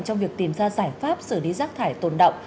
trong việc tìm ra giải pháp xử lý rác thải tồn động